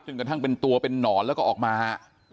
กระทั่งเป็นตัวเป็นนอนแล้วก็ออกมาฮะ